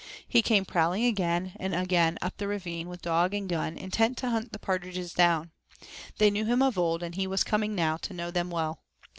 He came prowling again and again up the ravine, with dog and gun, intent to hunt the partridges down. They knew him of old, and he was coming now to know them well.